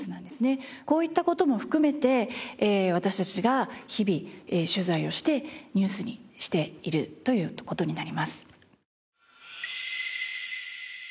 こういった事も含めて私たちが日々取材をしてニュースにしているという事になります。